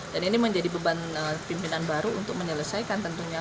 dan ini menjadi beban pimpinan baru untuk menyelesaikan tentunya